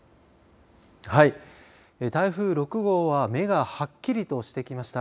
はい、台風６号は目がはっきりとしてきました。